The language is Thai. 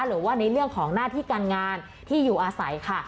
หรือว่าในเรื่องของหน้าที่การงานที่อยู่อาศัยค่ะ